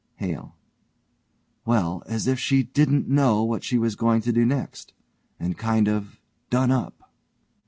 HALE: Well, as if she didn't know what she was going to do next. And kind of done up.